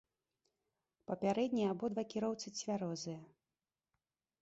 Папярэдне абодва кіроўцы цвярозыя.